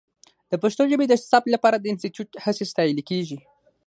د پښتو ژبې د ثبت لپاره د انسټیټوت هڅې ستایلې کېږي.